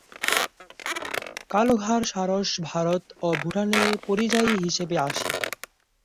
কালোঘাড় সারস ভারত ও ভুটানে পরিযায়ী হিসেবে আসে।